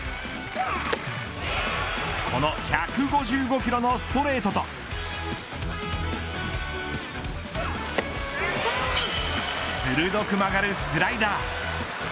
この１５５キロのストレートと鋭く曲がるスライダー。